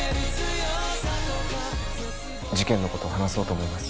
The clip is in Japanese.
事件の事話そうと思います。